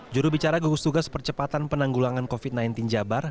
jurubicara gugus tugas percepatan penanggulangan covid sembilan belas jabar